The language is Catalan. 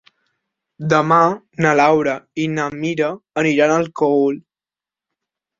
Demà na Laura i na Mira aniran al Cogul.